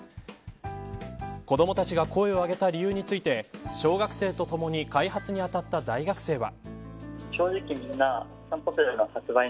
子どもたちが声を上げた理由について小学生とともに開発にあたった大学生は。